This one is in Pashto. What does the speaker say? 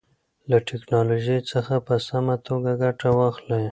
له ټیکنالوژۍ څخه په سمه توګه ګټه واخلئ.